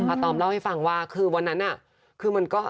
ตอมเล่าให้ฟังว่าคือวันนั้นน่ะคือมันก็